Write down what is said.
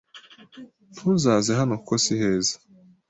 Ntuzaze hano kuko siheza.